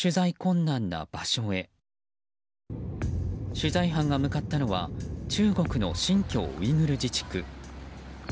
取材班が向かったのは中国の新疆ウイグル自治区。